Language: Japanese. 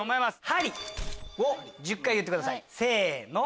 「ハリ」を１０回言ってくださいせの！